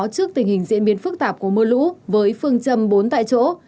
trước tình hình diễn biến phức tạp của mưa lũ với phương châm bốn tại chỗ